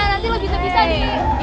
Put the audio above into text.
nanti lo kita pisah dulu